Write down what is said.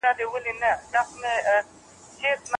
ښه فکر کول مو د ژوند په ټولو برخو کي بریالی کوي.